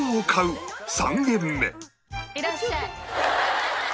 いらっしゃい。